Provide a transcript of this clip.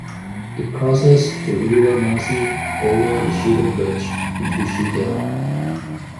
It crosses the River Mersey over the Cheadle Bridge into Cheadle.